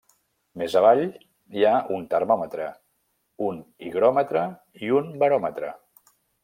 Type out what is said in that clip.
Més avall hi ha un termòmetre, un higròmetre i un baròmetre.